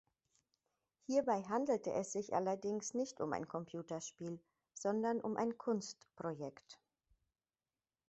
Hierbei handelte es sich allerdings nicht um ein Computerspiel, sondern um ein Kunstprojekt.